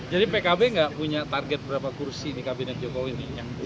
jadi pkb nggak punya target berapa kursi di kabinet jokowi